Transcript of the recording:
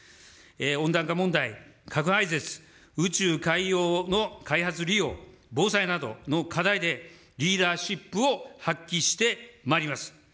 温暖化問題、核廃絶、宇宙、海洋の開発利用、防災などの課題で、リーダーシップを発揮してまいります。